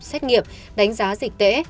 xét nghiệm đánh giá dịch tễ